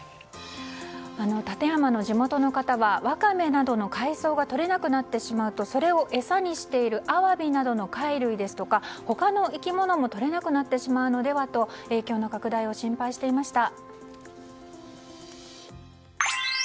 館山の地元の方はワカメなどの海藻がとれなくなってしまうとそれを餌にしているアワビなどの貝類ですとか他の生き物もとれなくなってしまうのではと影響の拡大を心配していました。